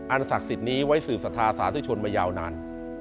ศักดิ์สิทธิ์นี้ไว้สื่อศรัทธาสาธุชนมายาวนาน